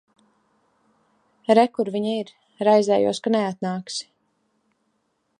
Re, kur viņa ir. Raizējos, ka neatnāksi.